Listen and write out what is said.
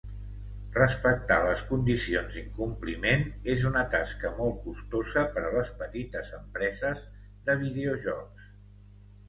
Respectar les condicions d'incompliment és una tasca molt costosa per a les petites empreses de videojocs.